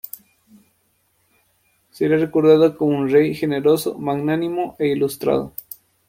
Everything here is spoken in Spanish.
Sería recordado como un rey generoso, magnánimo e ilustrado.